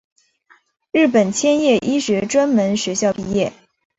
日本千叶医学专门学校毕业。